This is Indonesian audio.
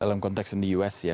dalam konteks ini us ya